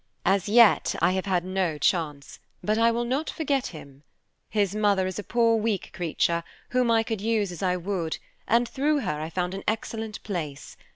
As yet, I have had no chance, but I will not forget him. His mother is a poor, weak creature, whom I could use as I would, and through her I found an excellent place.